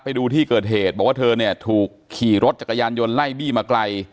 ไปดูที่เกิดเหตุบอกว่าเธอเนี่ยถูกขี่รถจักรยานยนต์ไล่บี้มาไกล